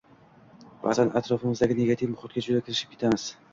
Ba’zan atrofimizdagi negativ muhitga juda kirishib ketamiz